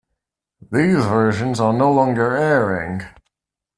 These versions are no longer airing.